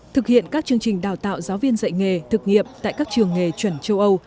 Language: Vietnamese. thực hiện các chương trình đào tạo giáo viên dạy nghề thực nghiệm tại các trường nghề chuẩn châu âu